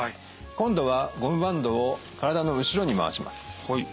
今度はゴムバンドを体の後ろに回します。